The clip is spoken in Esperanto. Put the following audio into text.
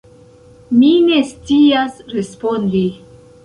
Mi ne scias respondi.